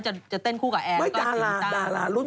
เกือบสองห้อคือเยอะมาก